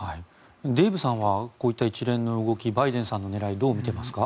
デーブさんはこういった一連の動きバイデンさんの狙いどう見ていますか？